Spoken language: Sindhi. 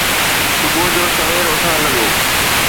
صبح جو سوير اٿڻ لڳو